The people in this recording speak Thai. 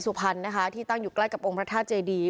สุพรรณนะคะที่ตั้งอยู่ใกล้กับองค์พระธาตุเจดี